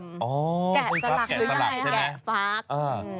แก่สลักมึงหรือยังไงแก่ฟักอ๋อผู้ชายฟักใช่ใช่